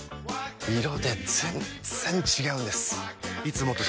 色で全然違うんです！